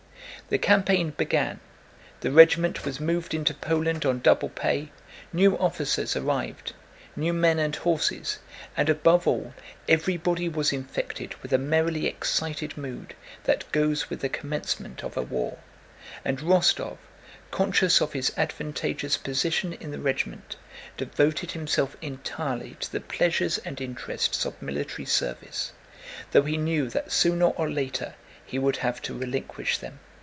The campaign began, the regiment was moved into Poland on double pay, new officers arrived, new men and horses, and above all everybody was infected with the merrily excited mood that goes with the commencement of a war, and Rostóv, conscious of his advantageous position in the regiment, devoted himself entirely to the pleasures and interests of military service, though he knew that sooner or later he would have to relinquish them.